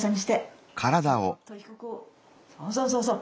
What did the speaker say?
そうそうそうそう。